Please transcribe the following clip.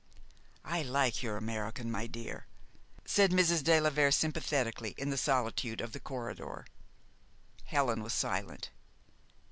"I like your American, my dear," said Mrs. de la Vere sympathetically, in the solitude of the corridor. Helen was silent.